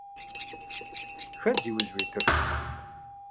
Хэт зиужь уитыр?